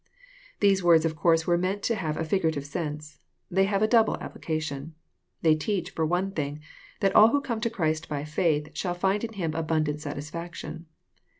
These words of course were meant to have a figurative sense. They have a double application. They teach, for one thing, that all who come to Christ by faith shall find in Him abundant satisfaction.